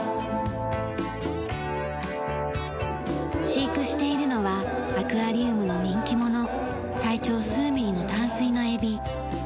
飼育しているのはアクアリウムの人気者体長数ミリの淡水のエビ。